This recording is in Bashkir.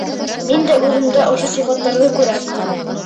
Мин дә үҙемдә ошо сифаттарҙы күрәм.